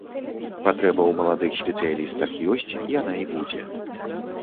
Патрэба ў маладых спецыялістах ёсць, яна і будзе.